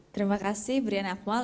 terima kasih brian akmal